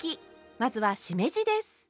まずはしめじです。